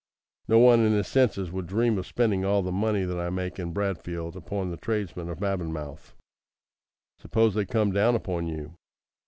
No one in his senses would dream of spending all the money that I make in Bradfield upon the tradesmen of Avonmouth." "Suppose they come down upon you?"